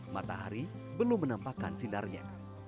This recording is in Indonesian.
matahari belum menampakkan sinarnya